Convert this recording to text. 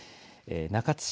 中津市